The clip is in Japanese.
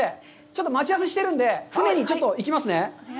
ちょっと待ち合わせしてるんで、船に行きますね。